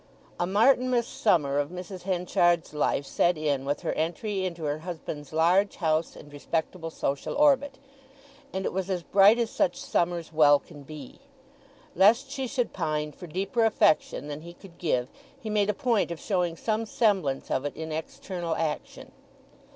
A Martinmas summer of Mrs. Henchard's life set in with her entry into her husband's large house and respectable social orbit; and it was as bright as such summers well can be. Lest she should pine for deeper affection than he could give he made a point of showing some semblance of it in external action.